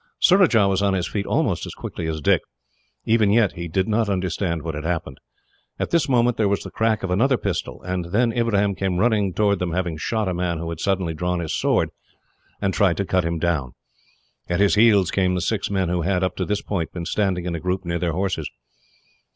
Surajah was on his feet almost as quickly as Dick. Even yet, he did not understand what had happened. At this moment there was the crack of another pistol, and then Ibrahim came running towards them, having shot a man who had suddenly drawn his sword, and tried to cut him down. At his heels came the six men who had, up to this point, been standing in a group near their horses.